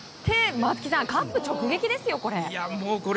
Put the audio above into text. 松木さん、カップ直撃ですよこれ。